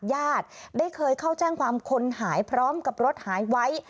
ญาติได้เคยเข้าแจ้งความคนหายพร้อมกับรถหายไว้